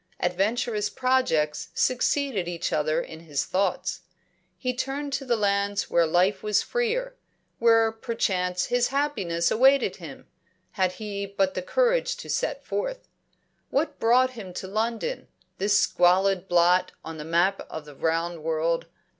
Adventurous projects succeeded each other in his thoughts. He turned to the lands where life was freer, where perchance his happiness awaited him, had he but the courage to set forth. What brought him to London, this squalid blot on the map of the round world?